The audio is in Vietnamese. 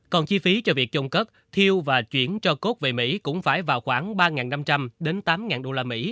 còn chi phí cho việc chôn cất thiêu và chuyển cho cốt về mỹ cũng phải vào khoảng ba năm trăm linh tám usd